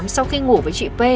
sau khi ngủ với chị p